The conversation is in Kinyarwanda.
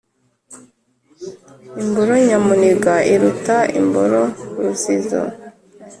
Imboro nyamuniga iruta imboro rurizo.